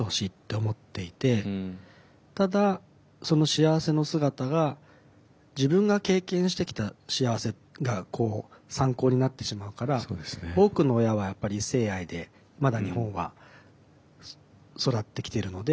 ただその幸せの姿が自分が経験してきた幸せが参考になってしまうから多くの親はやっぱり異性愛でまだ日本は育ってきてるので。